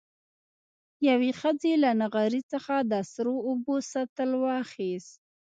يوې ښځې له نغري څخه د سرو اوبو سطل واخېست.